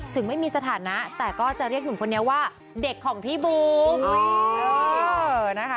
ถึงไม่มีสถานะแต่ก็จะเรียกหนุ่มคนนี้ว่าเด็กของพี่บูม